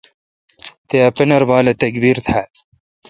تے ا پنر بال اے°تکبیر تھال۔